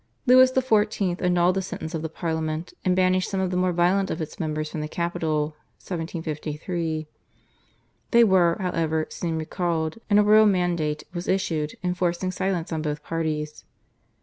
Louis XIV. annulled the sentence of the Parliament, and banished some of the more violent of its members from the capital (1753). They were, however, soon recalled, and a royal mandate was issued enforcing silence on both parties.